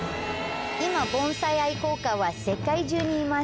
今盆栽愛好家は世界中にいます。